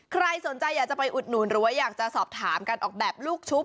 ใครสนใจอยากจะไปอุดหนุนหรือว่าอยากจะสอบถามการออกแบบลูกชุบ